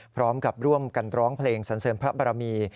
พร้อมกับร่วมกันร้องเพลงสันเสริมพระบรมี